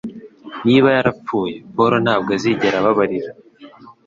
Niba yarapfuye, Paul ntabwo azigera ababarira.